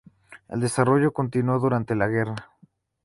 El desarrollo continuó durante la guerra.